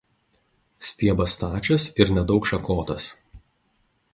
Stiebas stačias ir nedaug šakotas.